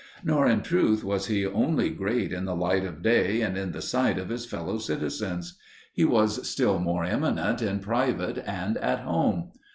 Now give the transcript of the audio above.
Nor in truth was he only great in the light of day and in the sight of his fellow citizens; he was still more eminent in private and at home.